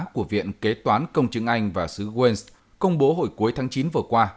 của viện kế toán công chứng anh và sứ west công bố hồi cuối tháng chín vừa qua